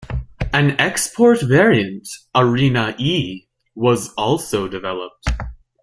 An export variant, "Arena-E", was also developed.